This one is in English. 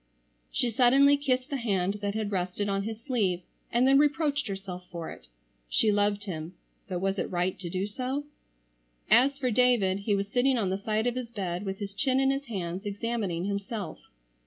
She suddenly kissed the hand that had rested on his sleeve, and then reproached herself for it. She loved him, but was it right to do so? As for David, he was sitting on the side of his bed with his chin in his hands examining himself.